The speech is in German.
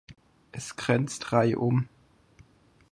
Es grenzt reihum